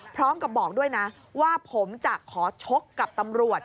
พร้อมกับบอกด้วยนะว่าผมจะขอชกกับตำรวจ